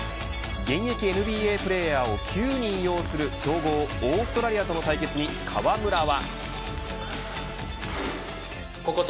現役ＮＢＡプレーヤーを９人擁する強豪オーストラリアとの対決に河村は。